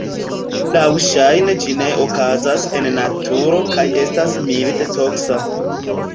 Laŭŝajne ĝi ne okazas en naturo kaj estas milde toksa.